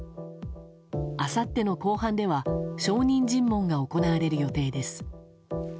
あさっての公判では証人尋問が行われる予定です。